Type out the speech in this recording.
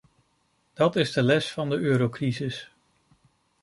Dat is de les van de eurocrisis.